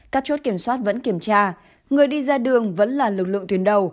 các chốt kiểm soát vẫn kiểm tra người đi ra đường vẫn là lực lượng thuyền đầu